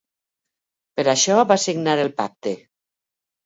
Per això vaig signar el pacte.